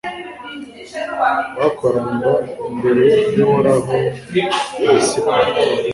bakoranira imbere y'uhoraho i misipa